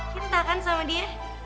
cinta kan sama dia